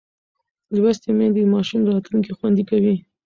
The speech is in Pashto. لوستې میندې د ماشوم راتلونکی خوندي کوي.